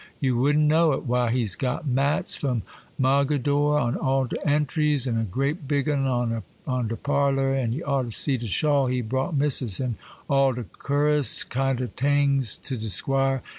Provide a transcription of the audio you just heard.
You wouldn't know it. Why, he's got mats from Mogadore on all de entries, and a great big 'un on de parlour; and ye ought to see de shawl he brought Missus, an' all de cur'us kind o' tings to de Squire.